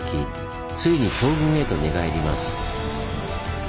ついに東軍へと寝返ります。